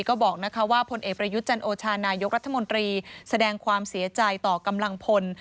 ก็บอกว่าพลเอกประยุทธ์จันโอชานายกรัฐมนตรีแสดงความเสียใจต่อกำลังพล